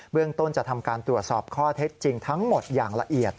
เรื่องต้นจะทำการตรวจสอบข้อเท็จจริงทั้งหมดอย่างละเอียด